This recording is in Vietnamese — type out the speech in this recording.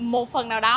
một phần nào đó